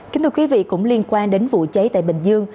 kính thưa quý vị cũng liên quan đến vụ cháy tại bình dương